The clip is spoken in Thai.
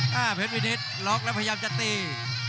เฮ้ยเฮ้ยวินิศล็อคแล้วพยายามจะตี